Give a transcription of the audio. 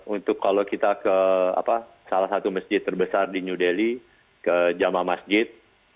untuk kalau kita ke salah satu masjid terbesar di new delhi ke jamaah masjid